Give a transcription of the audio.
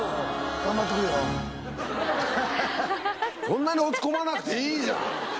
そんなに落ち込まなくていいじゃん！